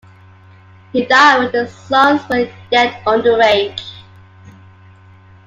He died when his sons were yet underage.